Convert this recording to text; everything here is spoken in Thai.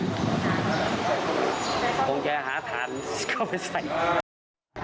คงจะหาทานเข้าไปใส่